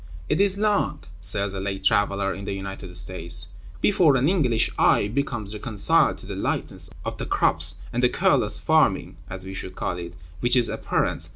"It is long," says a late traveler in the United States,(130) "before an English eye becomes reconciled to the lightness of the crops and the careless farming (as we should call it) which is apparent.